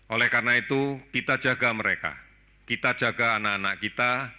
oleh karena itu kita jaga mereka kita jaga anak anak kita